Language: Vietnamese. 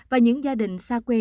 và những gia đình xa quê